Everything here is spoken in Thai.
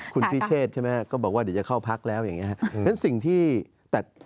คุณพิเชษใช่ไหมก็บอกว่าเดี๋ยวจะเข้าพักแล้วอย่างเงี้ฮะฉะ